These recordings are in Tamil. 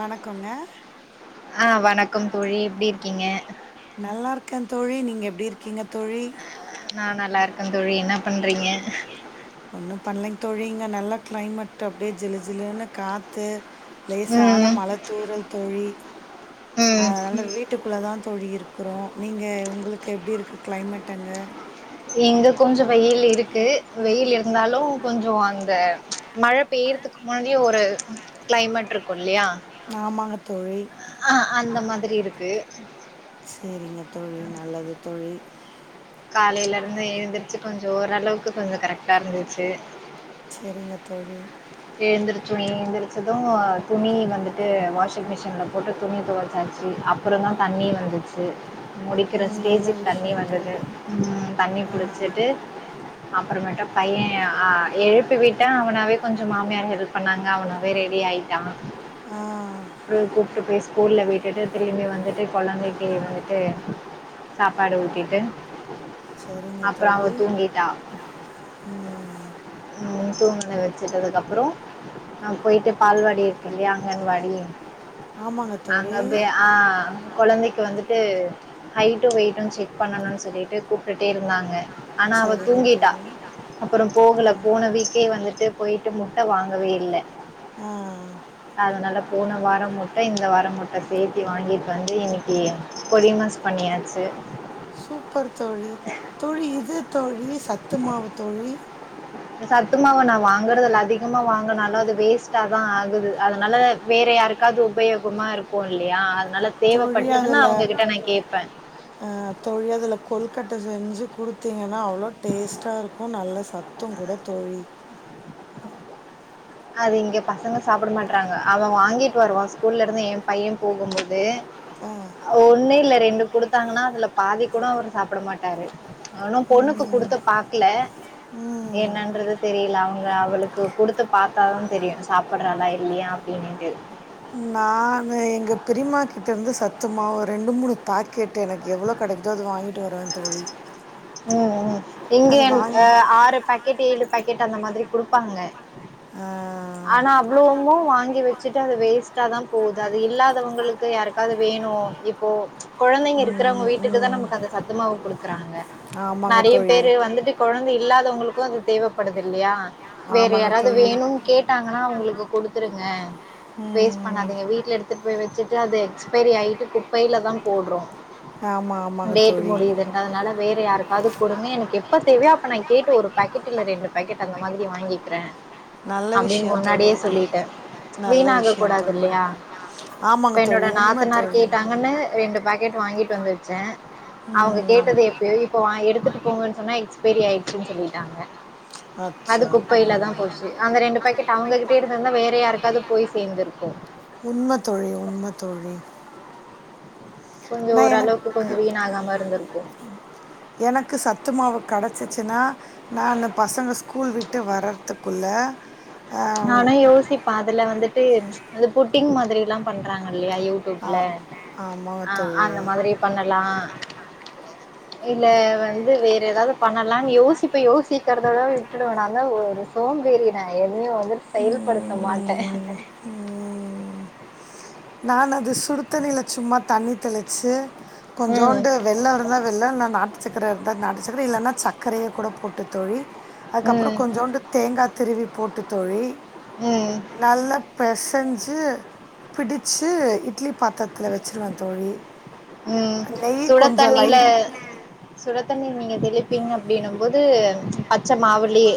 வணக்கங்க ஆஹ் வணக்கம் தோழி எப்டி இருக்கீங்க நல்லா இருக்கேன் தோழி நீங்க எப்டி இருக்கீங்க தோழி நா நல்லாருக்கன் தோழி என்னா பண் றீங்க ஒண்ணும் பண்லிங் தோழி இங்க நல்லா கிளைமேட் அப்டியே ஜிலு ஜிலுன்னு காத்து லேசான ம் மழத்தூறல் தோழி ம் அதனால வீட் வீட்டுக்குள்ள தான் தோழி இருக்குறோம் நீங்க உங்களுக்கு எப்டி இருக்கு கிளைமேட்டு அங்க இங்க கொஞ்ச வெயில் இருக்கு வெயில் இருந்தாலும் கொஞ்சோ அந்த மழப் பெய்ரத்துக்கு முன்னாடியே ஒரு கிளைமேட்ருக்கு இல்லியா ஆமாங்கத் தோழி அந்த மாதிரி இருக்கு சேரிங்க தோழி நல்லது தோழி காலேல இருந்து ஏழ்ந்துருச்சு கொஞ்சோ ஓரளவுக்கு கொஞ்ச கரெக்டா இருந்துச்சு செரிங்கத் தோழி ஏந்திரிச்சோ ஏந்திரிச்சது துணி வந்துட்டு வாஷிங் மிஷின்ல போட்டு துணி தொவச்சாச்சு அப்பறந்தா தண்ணி வந்துச்சு முடிக்கிற ம், நல்ல ஸ்டேஜிக் தண்ணி விஷயம் வந்தது தோழி உம் தண்ணி ஆ புடிச்சிட்டு அப்பறமேட்டு பையே ஆஹ் எழுப்பி விட்டா அவனாவே கொஞ்ச் ச மாமியாரு ஹெல்ப் பண்ணாங்க அவனாவே ரெடி ஆயிட்டா ஆஹ் ஸ்கூல விட்டுட்டு திரும்பி வந்துட்டு கொழந்தக்கி வந்துட்டு சாப்பாடு ஊட்டிட்டு செரிங்க அப்றோ தோழி அவ உம் தூங்கிட்டா உம் தூங்குனத வச்சிட்டதுக்கப்றோ நா போய்ட்டு பால்வாடி இருக்கு இல்லயா அங்கன்வாடி ஆமாங்க தோழி அங்கப்போய் ஆஹ் கொழந்தைக் கு வந்துட்டு ஹைட்டு வெயிட்டு செக் பண்ணணுன் சொல்லிட்டு கூப்டுட்டே இருந்தாங்க ஆனா அவ சரிங்க தூங்கிட்டா தோழி அப்பற போகல ஸ்க்கே வந்துட்டு போயிட்டு முட்ட வாங்கவே இல்ல ஆஹ் போன வாரம் முட்ட இந்த வாரம் முட்ட சேத்தி வாங்கிட்டு வந்து இன்னக்கி பொடிமாஸ் பண்ணியாச்சு சூப்பர் தோழி தோழி இது தோழி சத்து மாவு தோழி சத்துமாவ நா வாங்கறதில்ல அதிகமா வாங்கனாலு அது வேஸ்ட்டா தா ஆகுது அதனால வேற யாருக்காவ்து உபயோகமா இருக்கு இல்லையா அது தோழி அதுல கேட்பேன் அஹ் தோழி அதுல கொலுக் கட்ட செஞ்சு குடுத்தீங்க னால அவ்ளோ டேஸ்ட்டா இருக்கு நல்லா சத் துங் கூட தோழி அது இங்க பசங்க சாப்ட மாட்றாங்க அவ வாங்கிட்டு வருவா ஸ்கூல்ல இருந்து எ பைய போகும் போது ஆ ஒன்னு இல்ல ரெண்டு குடுத்தாங்னா அதுல பாதி கூட அவரு சாப்ட மாட்டாரு இன்னு பொண்ணுக்கு ம் குடுத்து பாக்ல ம் என்னன்றது தெரியல அவ்ங்க அவளுக்கு குடுத்து பாத்தாதா தெரியு சாப்புட்றலா இல்லையா அப்டினிட்டு அஹ் எங்க பெரிமாக்கிட்டருந்து சத்துமாவு ரெண்டு மூணு பாக்கெட்டு் எனக்கு எவ்ளோ கெடைக்குதோ அது வாங்கிட்டு வருவே தோழி உம் உம் இங்கே அது என் வாங்கி அஹ் ஆறு பாக் கெட் ஏழு பாக்கெட் அந்த மாதிரி குடுப்பாங்க ஆ ஆனா அவ்ளோமு வாங்கி வச்சுட்டு அது வேஸ்ட்டாதா போகுது அது இல்லாதவங்களுக்கு யாருக்காது வேணு இப்போ கொழந்தைங்க ம் இருக்கிறவங்க வீட்டுக்கு தா ம் நமக்கு அந்த சத்துமாவு குடுக்குறாங்க ஆமாங்க நெறைய தோழி பேரு வந்துட்டு கொழந்தை இல்லாதவங்களுக்கு அது தேவப்படுது இல்லையா வேற ஆமாங்க யாராவ்து தோழி வேணு னா அவ்ங்களுக்கு குடுத்துருங்க வேஸ்ட் ம் பண்ணாதீங்க வீட்ல எடுத்து ட்டு போய் வச்சுட்டு அது எக்ஸ்பைரி ஆயிட்டு குப்பைல தா போட்றோ ஆமாம் ஆமாங்க டேட்டு தோழி முடியுதுன்டு அதனால வேற யாருக் கது குடுங்க எனக்கு எப்ப தேவையோ அப்ப நா கேட்டு ஒரு பேக்கெட் இல்ல ரெண்டு பேக்கெட் அந்த மாதிரி வாங்கிக்கிறே நல்ல அப்டின்னு விஷயம் தோழி முன்னாடியே நல் சொல்லிட்டே வீண நல்ல ஆக விஷயம் கூடாது தோழி இல்லையா இப்ப ஆமாங்க தோழி என்னோட உண்மை நாத்தனார் தோழி கேட்டாங்கன்னு ரெண்டு பாக் க்கெட் வாங்கிட்டு வந்து வெசே அவங்க ம் கேட்டது எப்பயோ இப்ப வா எடு எடுதுட்டு போங்கன்னு சொன்னா எக்ஸ்பரி ஆயிடுச்சுன்னு சொல்லிட்டாங்க அது அச்சா ஆ. குப்பையில தா போச்சு அங்க ரெண்டு அவங்ககிட்டே இருத்துந்தா வேற யாருக்காவது போய் சேர்ந்துருக்கு உண்மத்தோழி உண்மத்தோழி கொஞ்சோ ஓரளவுக்கு கொஞ்சோ வீண ஆகாம இருந்திரு [unintelligible] எனக்கு சத்து மாவு கிடைச்சிச்சுன்னா நான்னு பசங்க ஸ்கூல் விட்டு வர்றதுக்குள்ள ஆம், நானு யோசிப்பே அதுல வந்து ட்டு அது புட்டிங் மாதிரி எல்லா பண்றாங்க இல்லையா யூ ஆ டுப்லா ஆமாங்க ஆஹ் அந்த தோழி மாதிரி பண்ணலா இல்ல வந்து வேற ஏதாவது பண்ணலாம்னு யோசிப்ப யோசிக்கிறதோட விட்டுடுவே நா தா ஒரு சோம்பேறின எதையு ர் செயல்படுத்த மாட்டே ம், நானு அது சுடுத்தண்ணில சும்மா தண்ணி தெளிச்சு ம் கொஞ்சோண்டு வெல்லோ இருந்தா வெல்ல இல்லனா நாட்டுச்சக்கர இருந்தா நாட்டு சக்கர இல்லன்னா சக்கரயே கூட போட்டு தோழி அதுக்கப்புற ம் கொஞ்சோண்டு தேங்காய் திருவி போட் ட்டு தோழி ம் நல்ல பெச செஞ்சு பிடித சு இட்லி பாத்தரத்தில வச்சுருவ தோழி உம் நெய் சுட கொஞ்சம் தண்ணில லைட் சுடத்தண்ணி நீங்க தெளிப்பீங்க அப்டின்னும் போது பச்சை மாவுலயே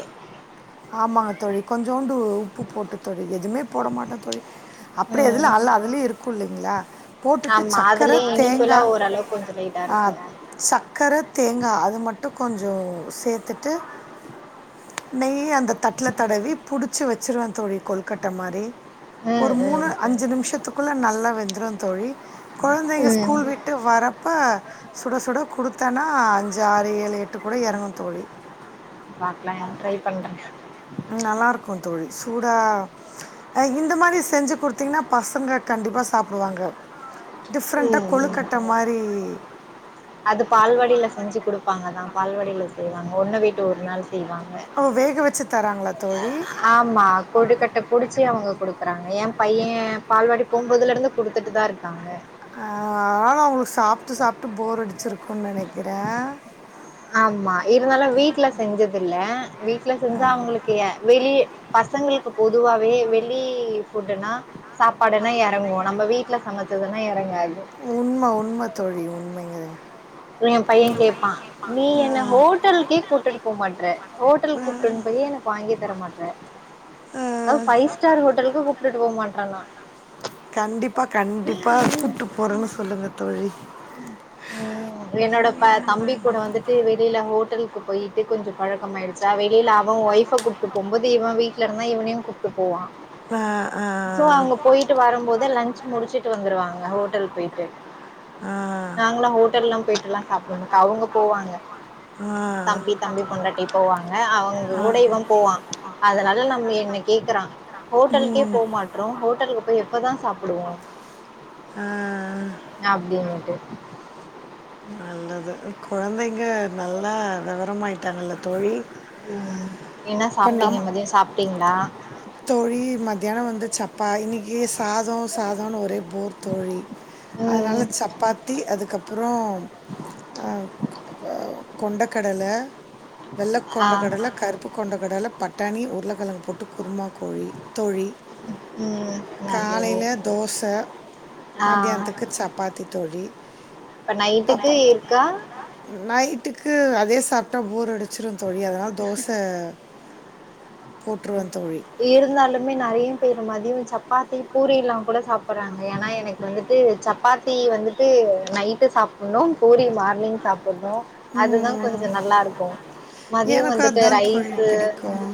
ஆமாங்க தோழி கொஞ்சோண்டு உப்பு போட்டு தோழி எதுமே போட மாட்டே தோழி அப்டி எதுல ம் அல்ல அதுலயே இருக்கு புல்லுங்ளா போட்டுட்டு ஆமா சக்கர அதுலயே தேங்கா இனிப்புலா ஓரளவு கொஞ்ச லைட்டா ஆஹ் இருக்கு சக்கர தேங்கா அது மட்டு கொஞ்சொ சேத் தட்டு நெய் அந்த தட்டுல தடவி புடிச்சு வச்சுருவே தோழி கொலுக்கட்ட மாறி ஒரு ம் மூணு அஞ்சு நிமிஷத்துக்குள்ள நல்லா வெந்துரு தோழி கொழந்தைங்க ம் ம் ஸ்கூல் விட்டு வரப்ப சுட சுட குடுத்தன்னா அஞ்சு ஆறு ஏழு எட் பாக்லா எ ட்ரை பண்றே ஆஹ் இந்த மாறி செஞ்சு குடுத்தீங்கன்னா பசங்க கண்டிப்பா சாப்டுவாங்க டிஃப்ரண்டா ம் ம் கொழுக்கட்ட மாறி அது பால்வாடில செஞ்சு குடுப்பாங்க தா பால்வடில செய்வாங்க ஒன்ன விட்டு ஒரு நாள் செ ஓ வேக வச்சு தராங்களா தோழி ஆமா கொழுக்கட்ட புடிச்சே அவுங் கொடுக்குறாங்க எம் பையே பால்வாடி போகும்போதுல இருந்து கொடுத்துட்டு தா இருக்காங்க ஆஹ் ஆமா அவங்க சாப்ட்டு சாப்ட்டு போர் அடிச்சிருக்குன் நெனைக்கிறே ஆமா இருந்தாலு வீட்ல செஞ்சதில்ல வீட்ல செஞ்சா அவங்களுக்கு ஏ வெளிய பசங்களுக்கு பொதுவாவே வெளி ஃபுட்டுன்னா சாப்பாடுன்னா எறங்கு நம்ம வீட்ல சமச்சதுன்னா எறங்கா உண்ம உண்ம தோழி உண்மை அது எம்பைய கேப்பா நீ என்ன ஹோட்டல்க்கே கூட்டுட்டு போ மாட்ற ஹோட்டல் கூப்டுட் போயி எனக்கு வாங்கி தர மாட்ற அது அஹ், ஃபைவ் ஸ்டார் ஹோட்டல்க்கு கூப்ட்டுட் போ மாட்றன்னா கண்டிப்பா கண்டிப்பா கூப்ட்டு போறேனு சொல்லுங்க தோழி உம் என்னோட ப தம்பி கூட வந்துட்டு வெளில ஹோட்டல்க்கு போயிட்டு கொஞ்சோ பழக்கமாயிடுச்சா வெளில அவ ஒய்ஃப கூப்ட்டு போம்போது இவ வீட்ல இருந்தா இவனயு கூப்ட்டு போவா ஆ ஆ சோ அவங்க போய்ட்டு வரம்போதே லன்ச் முடிச்சுட்டு வந்துருவாங் க ஹோட்டல் போய்ட்டு ஆ நாங்கல்லா ஹோட்டல்லா போய் சாப்ட மாட் அவங்க போவாங்க தம்பி தம்பி பொண்டாட்டி போவாங்க அவங்க கூட இவ போவா அதனால நம்ம என்னிக் கேக்கறா ஹோட்டல்க்கே போ மாட்றோ ஹோட்டல் ப்ப எப்பதா சாப்புடுவோ ஆ ஆ அப்டின்னுட்டு நல்லது கொழந்தைங்க நல்லா விவரமாயிட்டாங்கல்ல தோழி ம் என்ன இப்ப சாப்பிட்டீங்க நம் மதியம் சாப்பிட்டீங்களா தோழி மத்தியானோ வந்து சப்பா இன்னிக் [unintelligible] சாதோ சாதோனு ஒரே போர் தோழி அதனால ம் சப்பாத்தி அதுக்கப்புறோ அ கொ அ கொண்ட கடல வெல்லக் ஆ கொண்ட கடல கருப்பு கொண்ட கடல பட்டாணி உர்ளக்கெழங்கு போட்டு குருமா தோழி தோழி ம் நல்லது காலையில தோச ஆ மத்யான்த்துக்கு சப்பாத்தி தோழி இப்ப நைட்டுக்கு இருக்கா [unintelligible] நைட்டுக் க்கு அதே சாப்ட்டா போர் அடிச்சிரு தோழி அதனால் தோச அ இருந்தாலுமே நெறைய பேர் மதியோ சப்பாத்தி பூரி எல்லா கூட சாப்பறாங்க ஏன்னா எனக் வந்துட்டு சப்பாத்தி வந்துட்டு நைட்டு சாப்புன்னு பூரி மார்னிங் சாப் ண்ணு அதுதா ம் கொஞ்சோ நல்லாருக்கு மதியோ எனக்கு வந்துட்டு அதுதான் தோழி ரைஸு பிடிக்கும்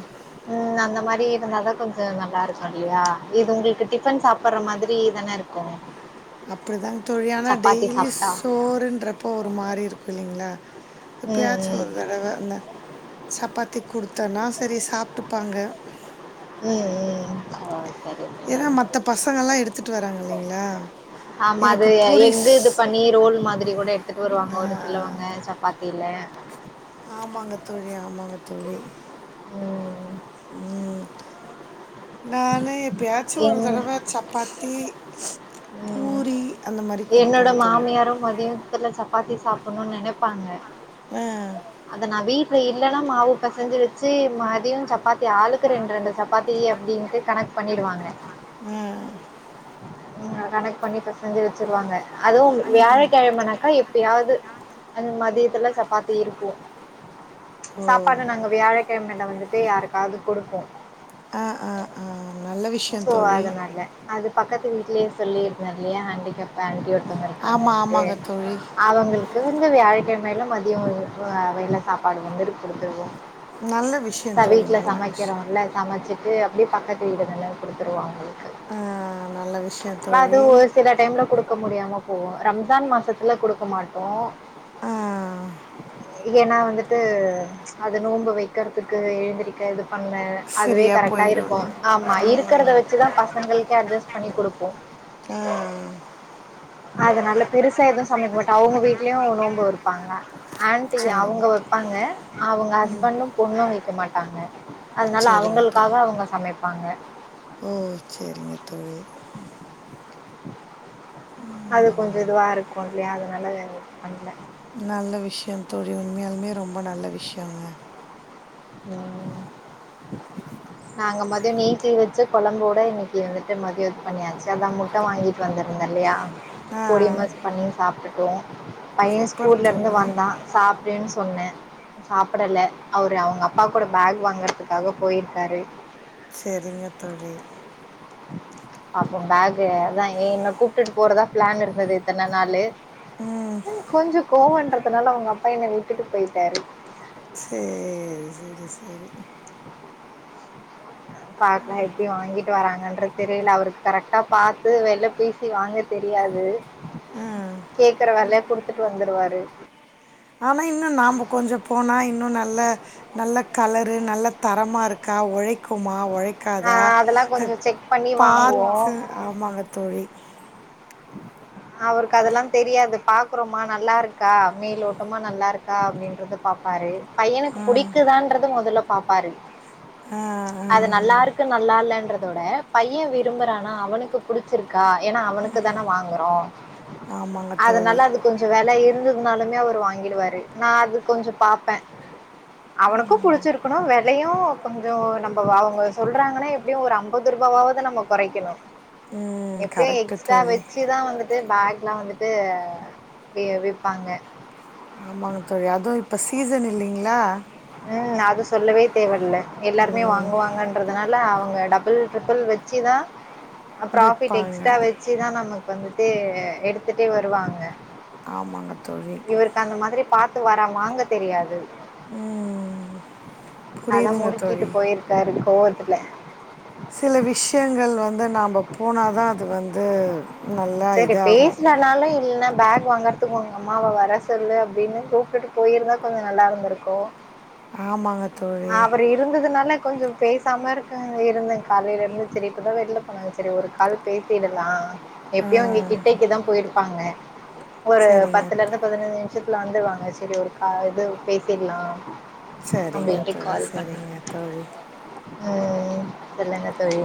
அந்த மாதிரி இருந்தாதா கொஞ்சம் நல்லா இருக்கு இல்லையா இது உங்களுக்கு டிஃபன் சா ப்பற மாதிரிதான இருக் [unintelligible] அப்படிதா தோழி ஆனா டெய்லி சாப்ட்டா சோருன்றப்போ ஒரு மாரி இருக்கு இல்லைங்களா ம் இப்பயாச்சு ம் ஒருதடவ இருந்த சப்பாத்தி குடுத்தன்னா செரி சாப்ட்டுப்பாங்க ம் ஏன்னா மற்ற பசங்கள்லாம் எடுத்துகிட்டு வராங்க இல்லைங்களா ஆமா அது எனக்கு பூரி எக்கு இது ஸ்- பண்ணி ரோல் மாதிரி கூட எடுத்துட்டு வருவாங்க ஆ, ஒரு சிலவங்க சப்பாத்தில ஆமாங்க தோழி ஆமாங்க தோழி ம் ம் நானு எப்பயாச்சு ஒரு எங் தடவ சப்பாத்தி ம் பூரி அந்த மாதிரி என்னோட கொடுப்பேங்க தோழி மாமியாரு மதியத்துல ச ப்பாத்தி சாப்பணு நெனைப்பாங்க அ அத நா வீட்ல இல்லன்னா மாவு பெசஞ்சு வச்சி மதியோ சப்பாத்தி ஆளுக்கு ரெண்ரெண்டு சப்பாத்தி அப்டின்ட்டு கணக் பண்ணிடுவாங்க ம் ம் கணக்கு பண்ணி பெசஞ்சி வச் ச்சிருவாங்க அதுவு வியாழக்கெழமனாக்கா எப்பயாவது அந்த மாதி த்தெல்லா சப்பாத்தி இருக்கு ஓ சாப்பாடு நாங்க வியாழக்கெழமைல வந்து து யாருக்காது குடுப்போ ஆ ஆ ஆ நல் சோ அதுனால அது பக்கத்து வீட்லியே சொல்லிருந்தல்லியா ஹேண்டிகேப் ஏண்டியோ த்தங்க ஆமாம் இருக்காங்கன்ட்டு ஆமாங்க தோழி அவங்கள்க்கு வந்து வியாழ்க்கெ மேல மதியோ இது வ வய்ல சாப்பாடு வந்துடு குடுத்துருவோ நல்ல ச விஷயம் தோழி வீட்ல நல்ல விஷயம் சமைக்கிறோல சமச்சி து அப்டே பக்கத்து வீடு தான குடுத்துருவாங்களே ஆ நல்ல விஷயம் அது தோழி ஒரு சில டைம்ல குடுக்க முடியாம போ ரம்ஜான் மாசத்தில குடுக்க மாட்டோ ஆ ஏனா வந்துட்டு அது நோம்பு வெக்கறதுக்கு எழுந்திரிக்க இது பண்ண அதுவே சரியா கரெக்டா போயிடும் இருக்கூ ஆம்மா இரு க்கறத ம். வெச்சுதா பசங்கள்க்கே அட்ஜஸ் பண்ணி குடுப்போ ஆ அதனால பெருசா எது சமைக்மாட்டோ அவ்ங்க வீட்லியு நோம்பு இருப்பாங்க ஆன்ட்டி சரிங்க அவ்ங்க வெப்பாங்க அவுங்க ஹஸ்பண்டு பொண்ணு வெக்க மாட்டாங்க அதனால சரிங்க அவ்ங்கள்க்காக தோழி அவுங்க சமை பாங்க ஓ செரிங்கத்தோழி உ உ அது கொஞ்சோ இதுவா இருக்கு இல்லியா அதனால அத த பண்ல நல்ல விஷ்யந் தோழி உண்மையாலுமே ரொம்ப நல்ல விஷ்யங்க ம் நாங்க மதியோ நேத்தி வெச்ச கொழம்போட இன்னிக்கி வந்துட்டு மதியோ இது பண்ணியாச்சு அதா முட்ட வாங்கிட்டு வந்திருந்த இல்லையா ஆ பொடிமாஸ் பண்ணி சாப்டுட்டோ பைய சூப்பர் ஸ்கூல்லருந்து தோழி வந்தா சாப்டுன் சொன்னே சாப்படல அவுரு அவுங்கப் பா கூட பேக் வாங்கறதுக்காக போயிருக்காரு செரிங்க தோழி அப்போ பேக்கு அதா எ என்ன கூப்டுட்டு போறதா பிளான் இருந்தது இத்தன நாளு கொஞ்சோ கோவ அதுனால அவுங்க அப்பா என்ன விட்டுட்டு போயிட்டாரு சேரி சேரி சேரி பாக்லா எப்டி வாங்கிட்டு வராங்கன்றது தெரில அவுருக்கு கரெக்டா பாத்து வெல பேசி வாங்க தெரியாது ஆ கேக்கற வெல குடுத்துட் வந்துருவாரு ஆனா இன்னு நாம்ப கொஞ்ச போனா இன்னு நல்ல நல்ல கலரு நல்ல தரமா இருக்கா ஒழைக்குமா ஒழை க்காதா ஆஹ் அதெல்லாம் அ கொஞ்சம் செக் பண்ணி வாங்குவோம் பாத்து ஆமாங்க தோழி அவுருக்கு அதெல்லாந் தெரியாது பாக்குறோமா நல்லாருக்கா மேலோட்டமா நல்லாருக்கா அப்டின்றத பாப்பாரு பையனுக்கு புடிக்குதான்றது மொதல்ல பாப்பாரு ஆ ஆ அது நல்லா இருக்கு நல்லா இல்லன்ற அதோட பையன் விரும்புறானா அவனுக்கு பிடிச்சிருக்கா எனா அவன் அதுக்கு தானே வாங்குறோம் ஆமாங்க தோழி அதனால அது கொஞ்ச வில இருந்தது இருந்தாலுமே அவரு வாங்கிடுவாரு நான் அது கொஞ்ச பாப்பேன் அவனுக்கும் புடிச்சிருக்கணும் விலையும் கொஞ்சம் நம்ம அவங்க சொல்றாங்கன்னா எப்படியும் ஒரு ஐம்பது ரூபாவது நம்ம குறைக்கணும உம் கரக்ட் வச்சுதான் வந்து பேக்லாம் வந்துட்டு விப்பாங்க ஆமாங்க தோழி அதுவும் இப்ப சீசன் இல்லீங்ளா உம் அது சொல்லவே தேவல்ல எல்லாருமே வாங்குவாங்கன்றது அதனால அவங்க டபுள் ட்ரிபிள் வச்சுதான் ப்ராஃபிட் விற்பாங்க எக்ஸ்ட்ரா வெச்சுதா நமக்கு வந்து இது எடுத்துட்டே வருவாங்க ஆமாங்க தோழி இவருக்கு அந்த மாதிரி பாத் வர வாங்க தெரியாது அதா புரியுதுங்க முறுக்கிட்டு தோழி போயிருக்காரு கோவ் துல சில விஷ்யங்கள் வந்து நாம போனாதா அது வந்து நல்லா சரி இதாகு பேசலனாலும் இல்லைன்னா பேக் வாங்கறதுக்குங்க அம்மாவ வர சொல்லு அப்டின்னு கூப்ட்டுட்டு போயிருந்தா கொஞ்சோ நல்லா இருந்துருக்கு. ஹோ ஆமாங்க தோழி அவுரு இருந்ததுனால கொஞ்சோ பேசாம இருக்க இருந்தேங்க காலேல இருந்து செரி இப்பதான் வெளில போனாங்க செரி ஒரு கால் பேசிடலா எப்பயு இங்க கிட்டைக்கு தா போய்ருப்பாங்க ஒரு சரிங்க பத்துல த- இருந்து பதினஞ் ஷிப்ல வந்துருவாங்க சரி ஒரு கால் இது பேஸ் சிர்லா செரிங்க தோழி செரிங்க தோழி தெர்லங்க தோழி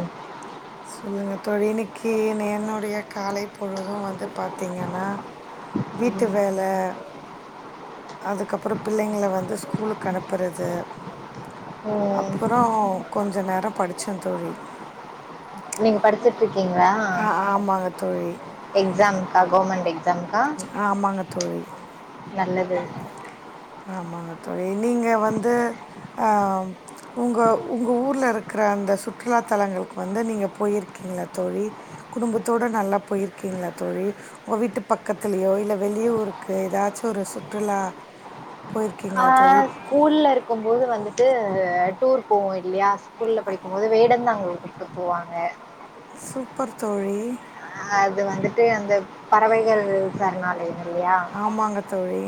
சொல்லுங்க தோழி இன்னைக்கி என்னுடைய காலை பொழுது வந்து பாத்தீங்கன்னா வீட்டு ம். வேல அதுக்கப்புறோ பிள்ளைங்கள வந்து ஸ்கூலுக்கு அனுப்புறது ம். அப்பொறோ கொஞ்ச நேரோ படிச்ச தோழி நீங்க படிச்சிட்டு இருக்கீங்களா ஆ ஆமாங்க தோழி எக்ஸாம்கா கவுமெண்ட் ஆமாங்க தோழி நல்லது ஆமாங்க தோழி. நீங்க வந்து உங்க உங்க ஊருல இருக்குற அந்த சுற்றுலா தலங்களுக்கு வந்து நீங்க போய்ருக்கீங்களா தோழி? குடும்பத்தோடு நல்லா போய்ருக்கீங்களா தோழி? உங்க வீட்டு பக்கத்துலயோ இல்ல வெளிய ஊருக்கு எதாச்சு ஒரு சுற்றுலா போயிருக்கீங்களா தோழி? ஆஹ் ஸ்கூல்ல இருக்கும் போது வந்து ட்டு டூர் போவோயில்லயா ஸ்கூல்ல படிக்கும் போது வேடந்தாங்கள் கூப்ட்டு போவாங்க. சூப்பர் தோழி ட்டு அந்த பறவைகள் சரணாலயங் ஆமாங்க தோழி